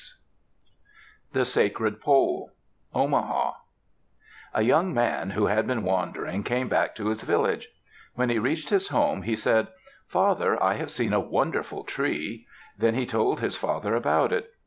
Courtesy of the Smithsonian Institution] THE SACRED POLE Omaha A young man who had been wandering came back to his village. When he reached his home he said, "Father, I have seen a wonderful tree." Then he told his father about it.